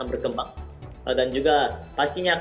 dan mereka akan lebih baik